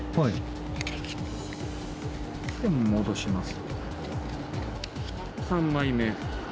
で戻します。